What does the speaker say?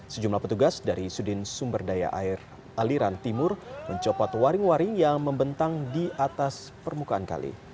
sejumlah petugas dari sudin sumber daya air aliran timur mencopot waring waring yang membentang di atas permukaan kali